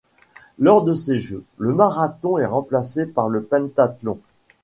Lors de ces Jeux, le marathon est remplacé par le pentathlon.